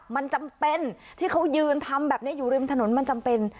มันจำเป็นที่เขายืนทำแบบนี้อยู่ริมถนนมันจำเป็น